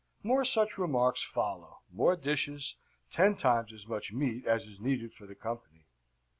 More such remarks follow: more dishes; ten times as much meat as is needful for the company.